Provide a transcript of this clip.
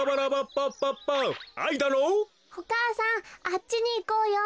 おかあさんあっちにいこうよ。